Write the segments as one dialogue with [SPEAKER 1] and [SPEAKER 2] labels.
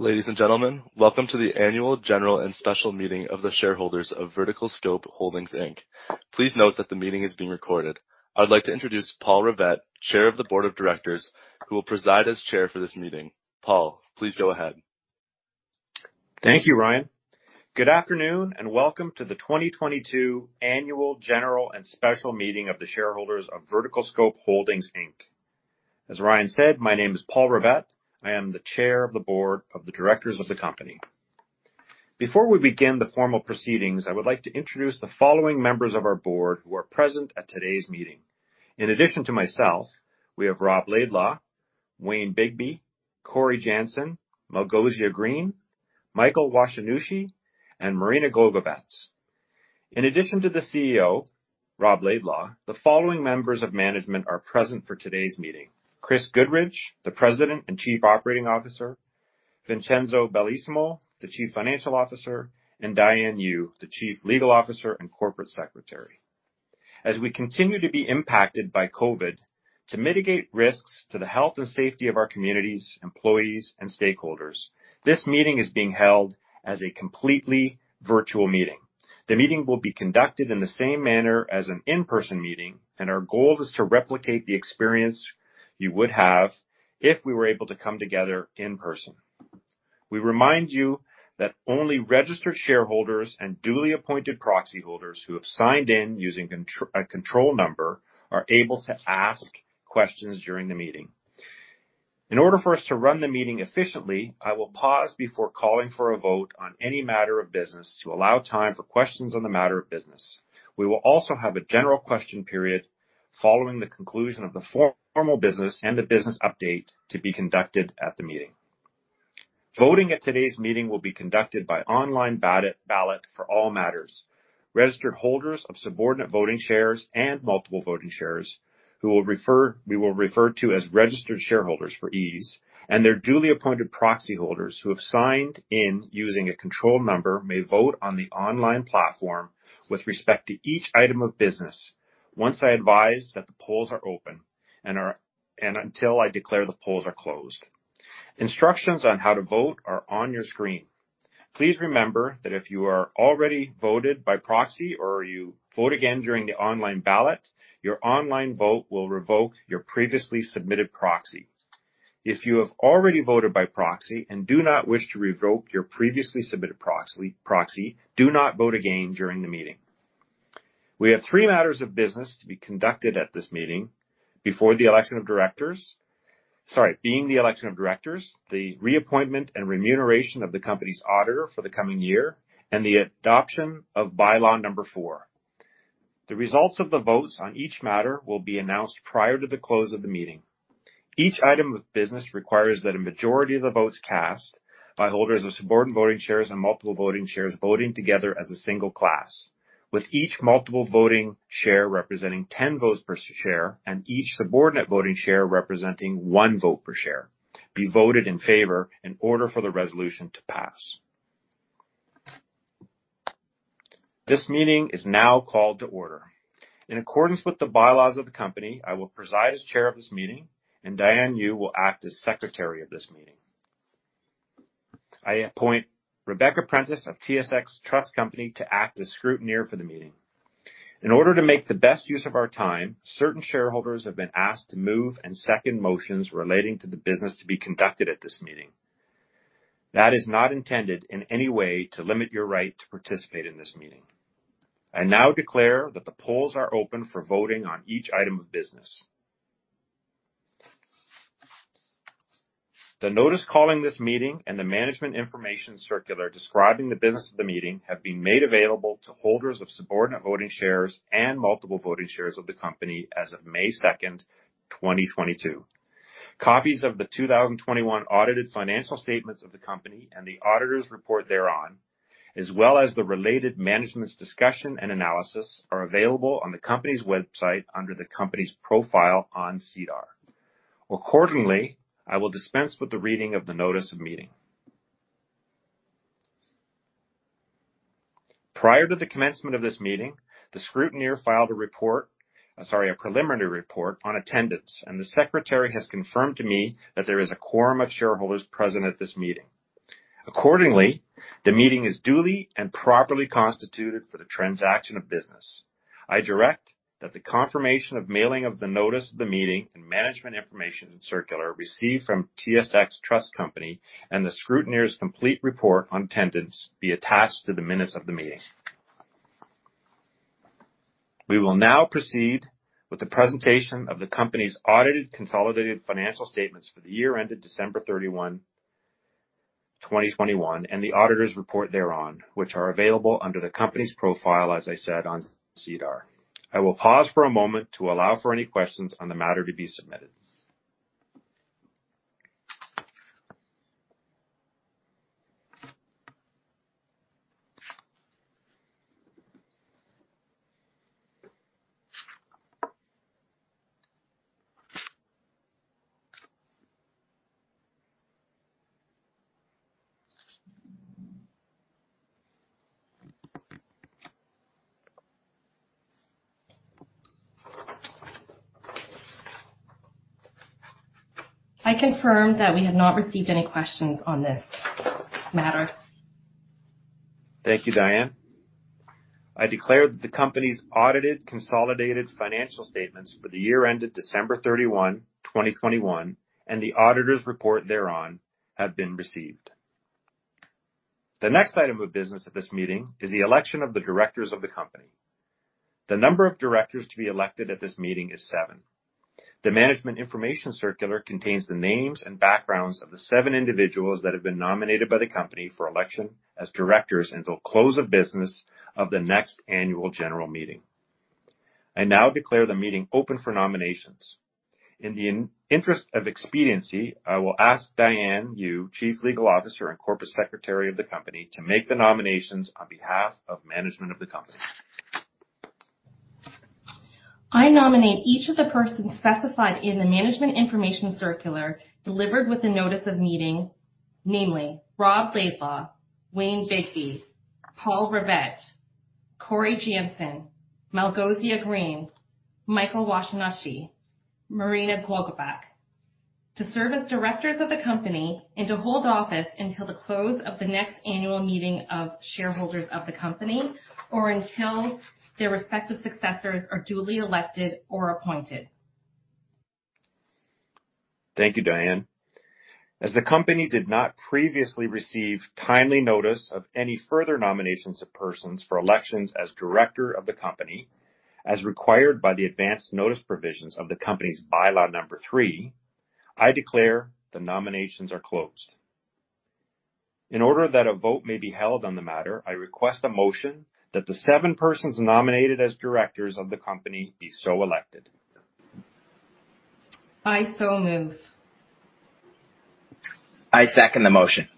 [SPEAKER 1] Ladies and gentlemen, welcome to the Annual General and Special Meeting of the shareholders of VerticalScope Holdings Inc. Please note that the meeting is being recorded. I would like to introduce Paul Rivett, Chair of the Board of Directors, who will preside as Chair for this meeting. Paul, please go ahead.
[SPEAKER 2] Thank you, Ryan. Good afternoon, and welcome to the 2022 Annual General and Special Meeting of the shareholders of VerticalScope Holdings Inc. As Ryan said, my name is Paul Rivett. I am the Chair of the Board of Directors of the company. Before we begin the formal proceedings, I would like to introduce the following members of our board who are present at today's meeting. In addition to myself, we have Rob Laidlaw, Wayne Bigby, Cory Janssen, Malgosia Green, Michael Washinushi, and Marina Glogovac. In addition to the CEO, Rob Laidlaw, the following members of management are present for today's meeting: Chris Goodridge, the President and Chief Operating Officer, Vincenzo Bellissimo, the Chief Financial Officer, and Diane Yu, the Chief Legal Officer and Corporate Secretary. As we continue to be impacted by COVID, to mitigate risks to the health and safety of our communities, employees, and stakeholders, this meeting is being held as a completely virtual meeting. The meeting will be conducted in the same manner as an in-person meeting, and our goal is to replicate the experience you would have if we were able to come together in person. We remind you that only registered shareholders and duly appointed proxy holders who have signed in using a control number are able to ask questions during the meeting. In order for us to run the meeting efficiently, I will pause before calling for a vote on any matter of business to allow time for questions on the matter of business. We will also have a general question period following the conclusion of the formal business and the business update to be conducted at the meeting. Voting at today's meeting will be conducted by online ballot for all matters. Registered holders of subordinate voting shares and multiple voting shares, we will refer to as registered shareholders for ease, and their duly appointed proxy holders who have signed in using a control number may vote on the online platform with respect to each item of business once I advise that the polls are open and until I declare the polls are closed. Instructions on how to vote are on your screen. Please remember that if you are already voted by proxy or you vote again during the online ballot, your online vote will revoke your previously submitted proxy. If you have already voted by proxy and do not wish to revoke your previously submitted proxy, do not vote again during the meeting. We have three matters of business to be conducted at this meeting, before the election of directors, sorry, being the election of directors, the reappointment and remuneration of the company's auditor for the coming year, and the adoption of By-law No. 4. The results of the votes on each matter will be announced prior to the close of the meeting. Each item of business requires that a majority of the votes cast by holders of subordinate voting shares and multiple voting shares, voting together as a single class, with each multiple voting share representing 10 votes per share and each subordinate voting share representing one vote per share, be voted in favor in order for the resolution to pass. This meeting is now called to order. In accordance with the bylaws of the company, I will preside as Chair of this meeting, and Diane Yu will act as Secretary of this meeting. I appoint Rebecca Prentice of TSX Trust Company to act as Scrutineer for the meeting. In order to make the best use of our time, certain shareholders have been asked to move and second motions relating to the business to be conducted at this meeting. That is not intended in any way to limit your right to participate in this meeting. I now declare that the polls are open for voting on each item of business. The notice calling this meeting and the management information circular describing the business of the meeting have been made available to holders of subordinate voting shares and multiple voting shares of the company as of May 2nd, 2022. Copies of the 2021 audited financial statements of the company and the auditor's report thereon, as well as the related management's discussion and analysis, are available on the company's website under the company's profile on SEDAR. Accordingly, I will dispense with the reading of the notice of meeting. Prior to the commencement of this meeting, the scrutineer filed a report, I'm sorry, preliminary report on attendance, and the secretary has confirmed to me that there is a quorum of shareholders present at this meeting. Accordingly, the meeting is duly and properly constituted for the transaction of business. I direct that the confirmation of mailing of the notice of the meeting and management information circular received from TSX Trust Company and the scrutineer's complete report on attendance be attached to the minutes of the meeting. We will now proceed with the presentation of the company's audited consolidated financial statements for the year ended December 31, 2021, and the auditor's report thereon, which are available under the company's profile, as I said, on SEDAR. I will pause for a moment to allow for any questions on the matter to be submitted.
[SPEAKER 3] I confirm that we have not received any questions on this matter.
[SPEAKER 2] Thank you, Diane. I declare that the company's audited consolidated financial statements for the year ended December 31, 2021, and the auditor's report thereon, have been received. The next item of business at this meeting is the election of the directors of the company. The number of directors to be elected at this meeting is seven. The management information circular contains the names and backgrounds of the seven individuals that have been nominated by the company for election as directors until close of business of the next annual general meeting. I now declare the meeting open for nominations. In the interest of expediency, I will ask Diane Yu, Chief Legal Officer and Corporate Secretary of the company, to make the nominations on behalf of management of the company.
[SPEAKER 3] I nominate each of the persons specified in the management information circular delivered with the notice of meeting, namely Rob Laidlaw, Wayne Bigby, Paul Rivett, Cory Janssen, Malgosia Green, Michael Washinushi, Marina Glogovac, to serve as directors of the company and to hold office until the close of the next annual meeting of shareholders of the company, or until their respective successors are duly elected or appointed.
[SPEAKER 2] Thank you, Diane. As the company did not previously receive timely notice of any further nominations of persons for elections as director of the company, as required by the advance notice provisions of the company's By-law No. 3, I declare the nominations are closed. In order that a vote may be held on the matter, I request a motion that the seven persons nominated as directors of the company be so elected.
[SPEAKER 3] I so move.
[SPEAKER 4] I second the motion.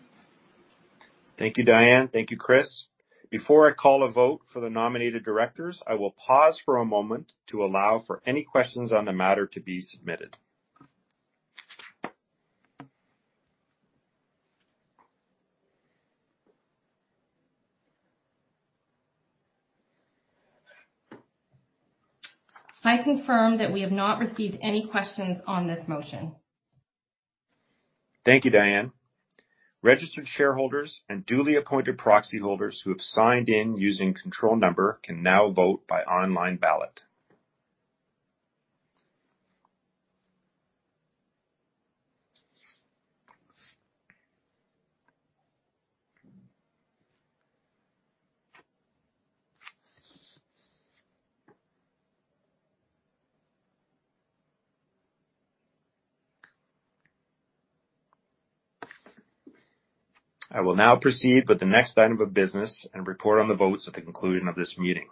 [SPEAKER 2] Thank you, Diane. Thank you, Chris. Before I call a vote for the nominated directors, I will pause for a moment to allow for any questions on the matter to be submitted.
[SPEAKER 3] I confirm that we have not received any questions on this motion.
[SPEAKER 2] Thank you, Diane. Registered shareholders and duly appointed proxy holders who have signed in using control number can now vote by online ballot. I will now proceed with the next item of business and report on the votes at the conclusion of this meeting.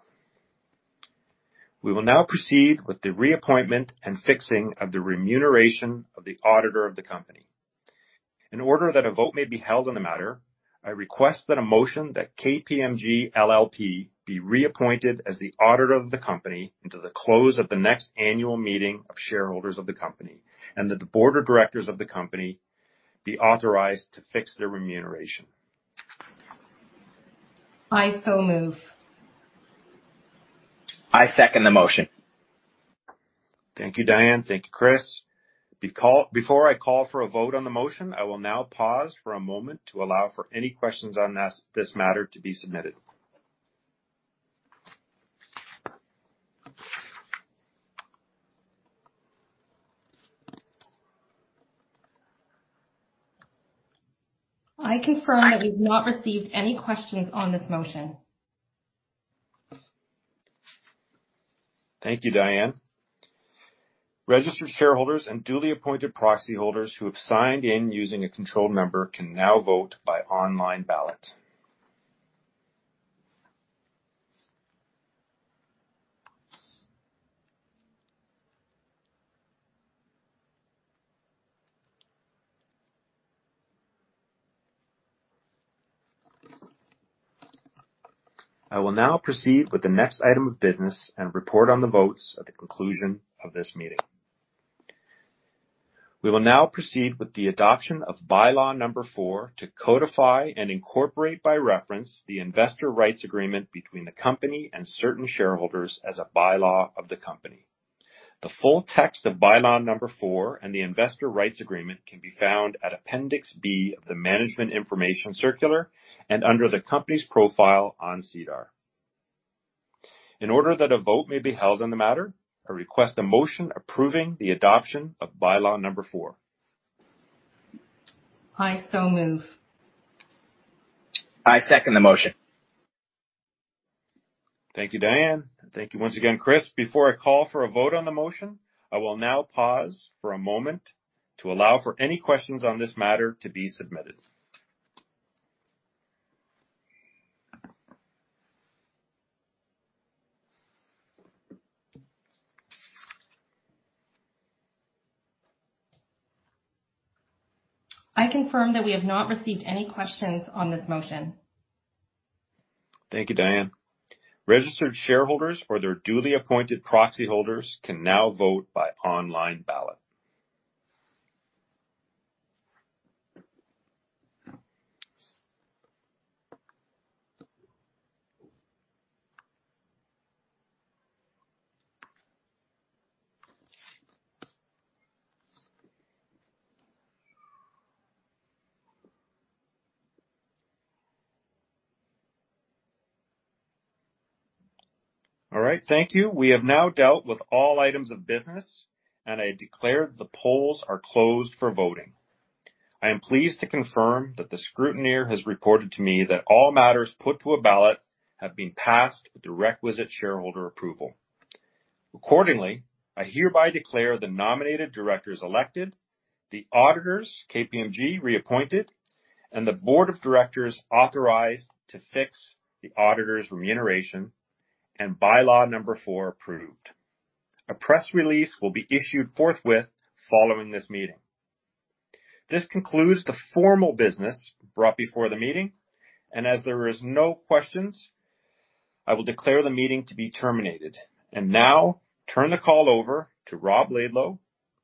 [SPEAKER 2] We will now proceed with the reappointment and fixing of the remuneration of the auditor of the company. In order that a vote may be held on the matter, I request that a motion that KPMG LLP be reappointed as the auditor of the company until the close of the next annual meeting of shareholders of the company, and that the board of directors of the company be authorized to fix their remuneration.
[SPEAKER 3] I so move.
[SPEAKER 4] I second the motion.
[SPEAKER 2] Thank you, Diane. Thank you, Chris. Before I call for a vote on the motion, I will now pause for a moment to allow for any questions on this matter to be submitted.
[SPEAKER 3] I confirm that we've not received any questions on this motion.
[SPEAKER 2] Thank you, Diane. Registered shareholders and duly appointed proxy holders who have signed in using a control number can now vote by online ballot. I will now proceed with the next item of business and report on the votes at the conclusion of this meeting. We will now proceed with the adoption of By-law No. 4 to codify and incorporate, by reference, the investor rights agreement between the company and certain shareholders as a bylaw of the company. The full text of By-law No. 4 and the investor rights agreement can be found at Appendix B of the management information circular and under the company's profile on SEDAR. In order that a vote may be held on the matter, I request a motion approving the adoption of By-law No. 4.
[SPEAKER 3] I so move.
[SPEAKER 4] I second the motion.
[SPEAKER 2] Thank you, Diane. Thank you once again, Chris. Before I call for a vote on the motion, I will now pause for a moment to allow for any questions on this matter to be submitted.
[SPEAKER 3] I confirm that we have not received any questions on this motion.
[SPEAKER 2] Thank you, Diane. Registered shareholders or their duly appointed proxy holders can now vote by online ballot. All right. Thank you. We have now dealt with all items of business, and I declare the polls are closed for voting. I am pleased to confirm that the scrutineer has reported to me that all matters put to a ballot have been passed with the requisite shareholder approval. Accordingly, I hereby declare the nominated directors elected, the auditors, KPMG, reappointed, and the board of directors authorized to fix the auditors' remuneration and By-law No. 4 approved. A press release will be issued forthwith following this meeting. This concludes the formal business brought before the meeting, and as there is no questions, I will declare the meeting to be terminated and now turn the call over to Rob Laidlaw,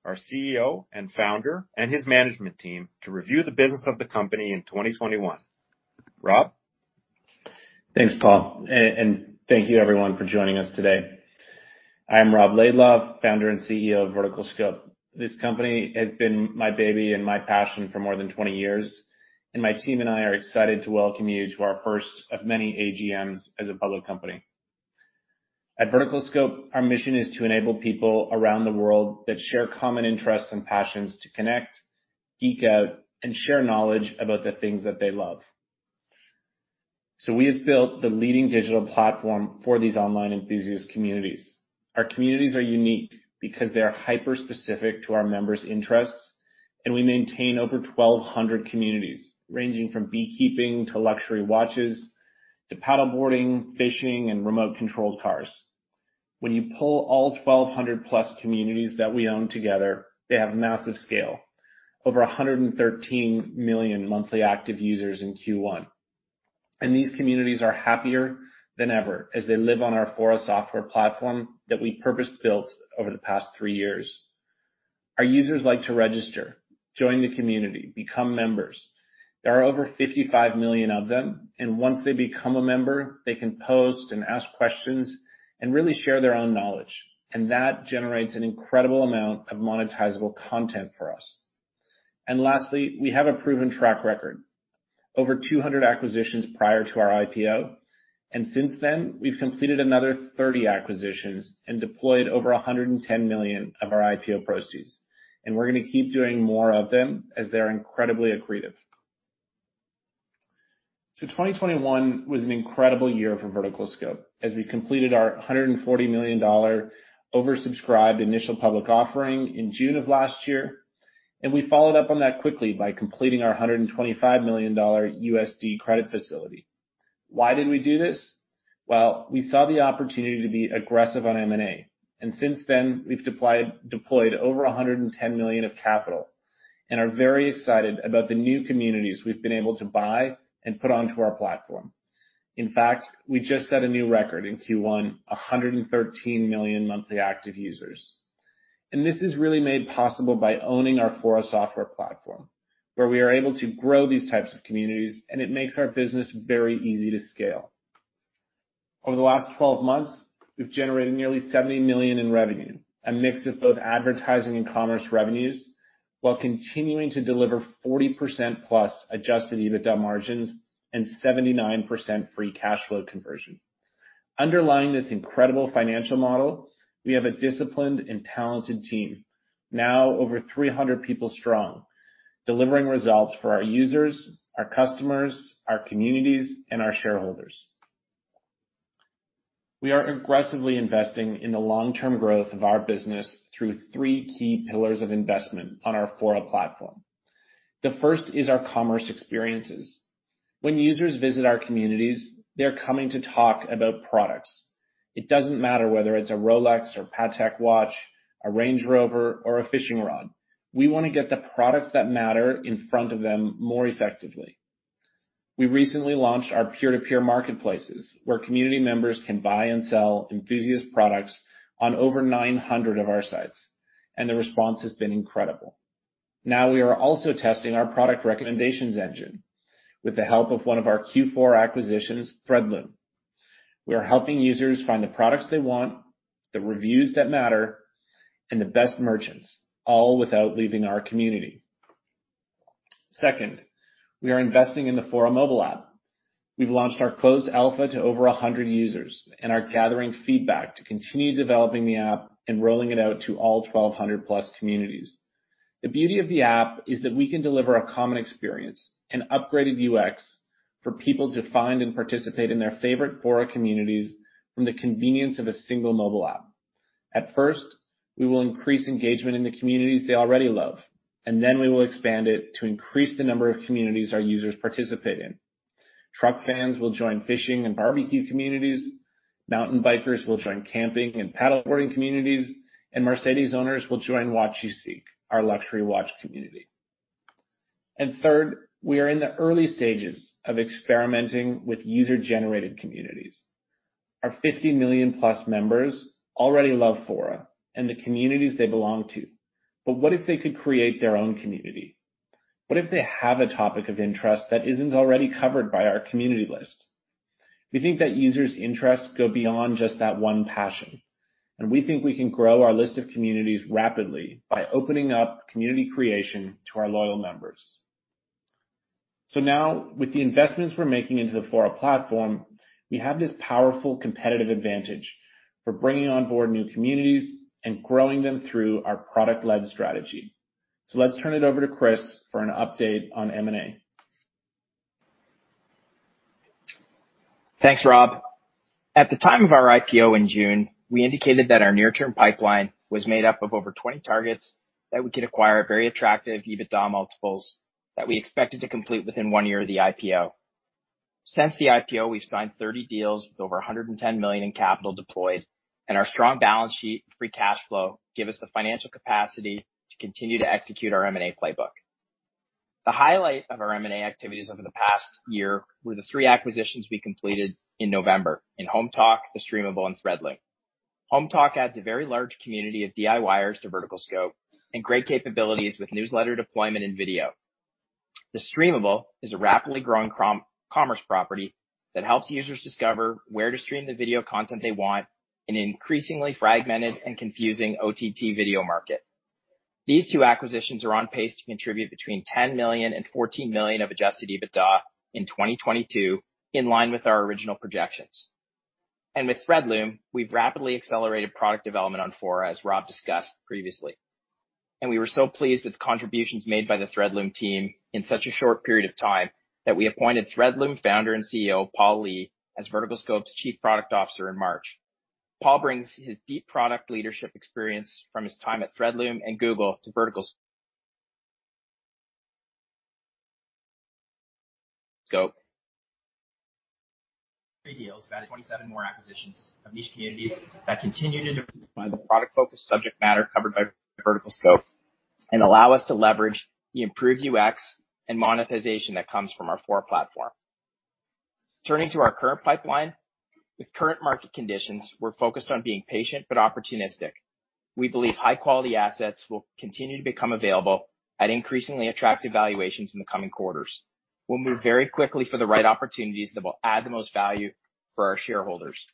[SPEAKER 2] our CEO and Founder, and his management team to review the business of the company in 2021. Rob?
[SPEAKER 5] Thanks, Paul, and thank you everyone for joining us today. I'm Rob Laidlaw, Founder and CEO of VerticalScope. This company has been my baby and my passion for more than 20 years, and my team and I are excited to welcome you to our first of many AGMs as a public company. At VerticalScope, our mission is to enable people around the world that share common interests and passions to connect, geek out, and share knowledge about the things that they love, so we have built the leading digital platform for these online enthusiast communities. Our communities are unique because they are hyper-specific to our members' interests, and we maintain over 1,200 communities, ranging from beekeeping to luxury watches to paddle boarding, fishing, and remote-controlled cars. When you pull all 1,200+ communities that we own together, they have massive scale, over 113 million monthly active users in Q1. These communities are happier than ever as they live on our Fora software platform that we purpose-built over the past three years. Our users like to register, join the community, become members. There are over 55 million of them, and once they become a member, they can post and ask questions and really share their own knowledge, and that generates an incredible amount of monetizable content for us. Lastly, we have a proven track record. Over 200 acquisitions prior to our IPO, and since then, we've completed another 30 acquisitions and deployed over $110 million of our IPO proceeds, and we're gonna keep doing more of them as they're incredibly accretive. 2021 was an incredible year for VerticalScope as we completed our 140 million dollar oversubscribed initial public offering in June of last year, and we followed up on that quickly by completing our $125 million credit facility. Why did we do this? Well, we saw the opportunity to be aggressive on M&A, and since then, we've deployed over $110 million of capital and are very excited about the new communities we've been able to buy and put onto our platform. In fact, we just set a new record in Q1, 113 million monthly active users. This is really made possible by owning our Fora software platform, where we are able to grow these types of communities, and it makes our business very easy to scale. Over the last 12 months, we've generated nearly $70 million in revenue, a mix of both advertising and commerce revenues, while continuing to deliver 40%+ adjusted EBITDA margins and 79% free cash flow conversion. Underlying this incredible financial model, we have a disciplined and talented team, now over 300 people strong, delivering results for our users, our customers, our communities, and our shareholders. We are aggressively investing in the long-term growth of our business through three key pillars of investment on our Fora platform. The first is our commerce experiences. When users visit our communities, they're coming to talk about products. It doesn't matter whether it's a Rolex or Patek watch, a Range Rover, or a fishing rod. We want to get the products that matter in front of them more effectively. We recently launched our peer-to-peer marketplaces, where community members can buy and sell enthusiast products on over 900 of our sites, and the response has been incredible. Now, we are also testing our product recommendations engine with the help of one of our Q4 acquisitions, Threadloom. We are helping users find the products they want, the reviews that matter, and the best merchants, all without leaving our community. Second, we are investing in the Fora mobile app. We've launched our closed alpha to over 100 users and are gathering feedback to continue developing the app and rolling it out to all 1,200+ communities. The beauty of the app is that we can deliver a common experience, an upgraded UX, for people to find and participate in their favorite Fora communities from the convenience of a single mobile app. At first, we will increase engagement in the communities they already love, and then we will expand it to increase the number of communities our users participate in. Truck fans will join fishing and barbecue communities, mountain bikers will join camping and paddleboarding communities, and Mercedes owners will join WatchUSeek, our luxury watch community. Third, we are in the early stages of experimenting with user-generated communities. Our 50 million+ members already love Fora and the communities they belong to, but what if they could create their own community? What if they have a topic of interest that isn't already covered by our community list? We think that users' interests go beyond just that one passion, and we think we can grow our list of communities rapidly by opening up community creation to our loyal members. So, now, with the investments we're making into the Fora platform, we have this powerful competitive advantage for bringing on board new communities and growing them through our product-led strategy. Let's turn it over to Chris for an update on M&A.
[SPEAKER 4] Thanks, Rob. At the time of our IPO in June, we indicated that our near-term pipeline was made up of over 20 targets that we could acquire at very attractive EBITDA multiples that we expected to complete within one year of the IPO. Since the IPO, we've signed 30 deals with over $110 million in capital deployed, and our strong balance sheet and free cash flow give us the financial capacity to continue to execute our M&A playbook. The highlight of our M&A activities over the past year were the three acquisitions we completed in November, in Hometalk, The Streamable, and Threadloom. Hometalk adds a very large community of DIYers to VerticalScope and great capabilities with newsletter deployment and video. The Streamable is a rapidly growing commerce property that helps users discover where to stream the video content they want in an increasingly fragmented and confusing OTT video market. These two acquisitions are on pace to contribute between $10 million and $14 million of adjusted EBITDA in 2022, in line with our original projections. With Threadloom, we've rapidly accelerated product development on Fora, as Rob discussed previously. We were so pleased with the contributions made by the Threadloom team in such a short period of time that we appointed Threadloom Founder and CEO, Paul Lee, as VerticalScope's Chief Product Officer in March. Paul brings his deep product leadership experience from his time at Threadloom and Google to VerticalScope. Three deals added 27 more acquisitions of niche communities that continue to define the product-focused subject matter covered by VerticalScope, and allow us to leverage the improved UX and monetization that comes from our Fora platform. Turning to our current pipeline, with current market conditions, we're focused on being patient but opportunistic. We believe high-quality assets will continue to become available at increasingly attractive valuations in the coming quarters. We'll move very quickly for the right opportunities that will add the most value for our shareholders.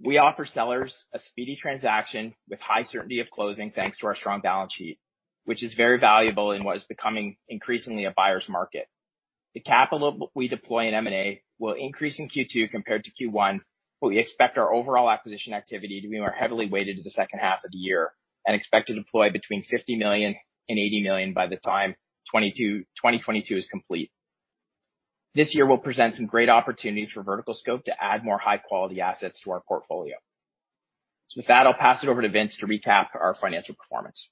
[SPEAKER 4] We offer sellers a speedy transaction with high certainty of closing, thanks to our strong balance sheet, which is very valuable in what is becoming increasingly a buyer's market. The capital we deploy in M&A will increase in Q2 compared to Q1, but we expect our overall acquisition activity to be more heavily weighted to the second half of the year and expect to deploy between $50 million and $80 million by the time 2022 is complete. This year will present some great opportunities for VerticalScope to add more high-quality assets to our portfolio. With that, I'll pass it over to Vince to recap our financial performance.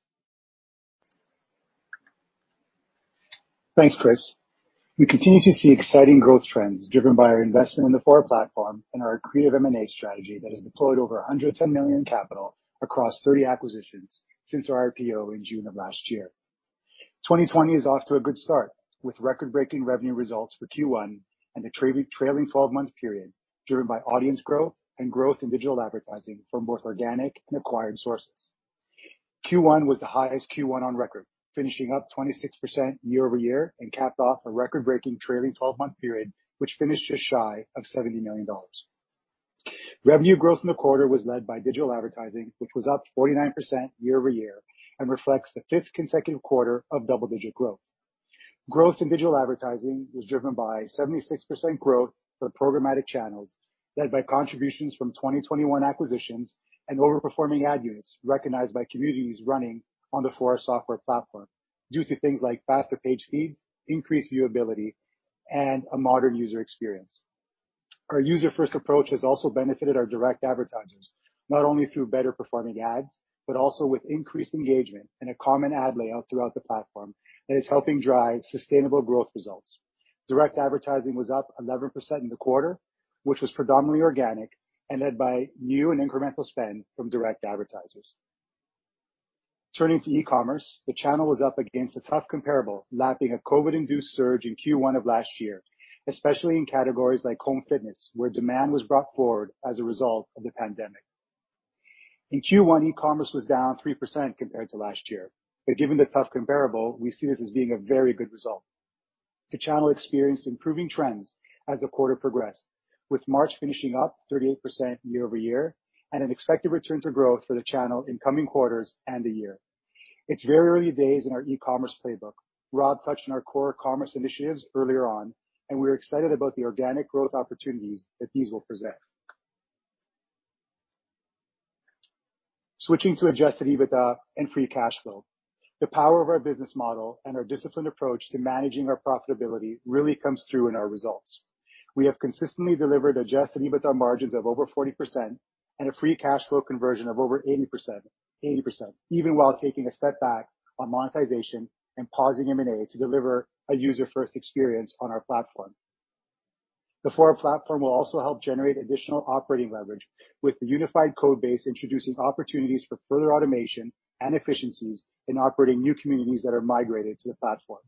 [SPEAKER 6] Thanks, Chris. We continue to see exciting growth trends driven by our investment in the Fora platform and our accretive M&A strategy that has deployed over $110 million in capital across 30 acquisitions since our IPO in June of last year. 2020 is off to a good start, with record-breaking revenue results for Q1 and the trailing 12-month period driven by audience growth and growth in digital advertising from both organic and acquired sources. Q1 was the highest Q1 on record, finishing up 26% year-over-year and capped off a record-breaking trailing 12-month period, which finished just shy of $70 million. Revenue growth in the quarter was led by digital advertising, which was up 49% year-over-year and reflects the fifth consecutive quarter of double-digit growth. Growth in digital advertising was driven by 76% growth for programmatic channels, led by contributions from 2021 acquisitions and overperforming ad units recognized by communities running on the Fora software platform due to things like faster page speeds, increased viewability, and a modern user experience. Our user-first approach has also benefited our direct advertisers, not only through better performing ads, but also with increased engagement and a common ad layout throughout the platform that is helping drive sustainable growth results. Direct advertising was up 11% in the quarter, which was predominantly organic and led by new and incremental spend from direct advertisers. Turning to e-commerce, the channel was up against a tough comparable, lapping a COVID-induced surge in Q1 of last year, especially in categories like home fitness, where demand was brought forward as a result of the pandemic. In Q1, e-commerce was down 3% compared to last year. Given the tough comparable, we see this as being a very good result. The channel experienced improving trends as the quarter progressed, with March finishing up 38% year-over-year and an expected return to growth for the channel in coming quarters and the year. It's very early days in our e-commerce playbook. Rob touched on our core commerce initiatives earlier on, and we're excited about the organic growth opportunities that these will present. Switching to adjusted EBITDA and free cash flow. The power of our business model and our disciplined approach to managing our profitability really comes through in our results. We have consistently delivered adjusted EBITDA margins of over 40% and a free cash flow conversion of over 80%, even while taking a step back on monetization and pausing M&A to deliver a user-first experience on our platform The Fora platform will also help generate additional operating leverage with the unified code base, introducing opportunities for further automation and efficiencies in operating new communities that are migrated to the platform.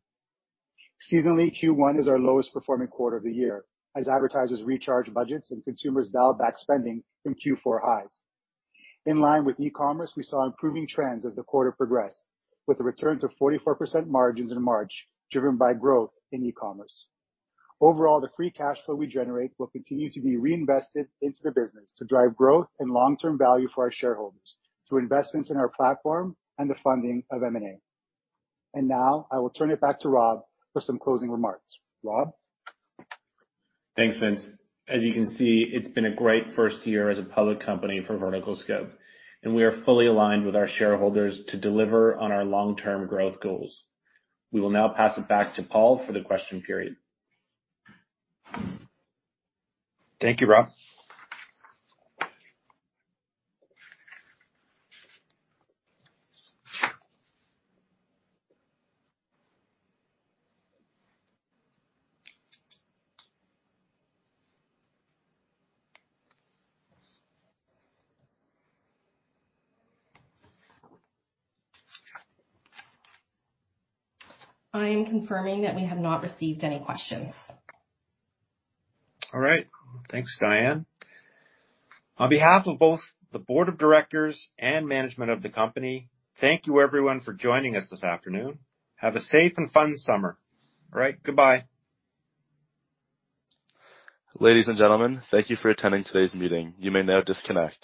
[SPEAKER 6] Seasonally, Q1 is our lowest performing quarter of the year as advertisers recharge budgets and consumers dial back spending from Q4 highs. In line with e-commerce, we saw improving trends as the quarter progressed, with a return to 44% margins in March driven by growth in e-commerce. Overall, the free cash flow we generate will continue to be reinvested into the business to drive growth and long-term value for our shareholders through investments in our platform and the funding of M&A. Now, I will turn it back to Rob for some closing remarks. Rob?
[SPEAKER 5] Thanks, Vince. As you can see, it's been a great first year as a public company for VerticalScope, and we are fully aligned with our shareholders to deliver on our long-term growth goals. We will now pass it back to Paul for the question period.
[SPEAKER 2] Thank you, Rob.
[SPEAKER 3] I am confirming that we have not received any questions.
[SPEAKER 2] All right. Thanks, Diane. On behalf of both the board of directors and management of the company, thank you everyone for joining us this afternoon. Have a safe and fun summer. All right. Goodbye.
[SPEAKER 1] Ladies and gentlemen, thank you for attending today's meeting. You may now disconnect.